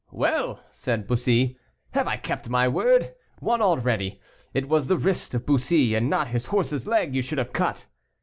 "Well!" said Bussy, "have I kept my word? one already. It was the wrist of Bussy, and not his horse's leg, you should have cut."